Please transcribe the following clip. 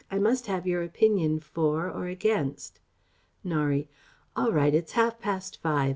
I must have your opinion for or against..." Norie: "All right. It's half past five.